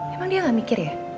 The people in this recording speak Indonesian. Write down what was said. emang dia gak mikir ya